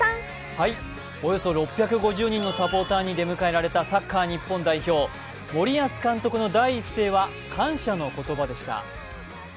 およそ６５０人のサポーターに出迎えられたサッカー日本代表森保監督の第一声は感謝の言葉でした。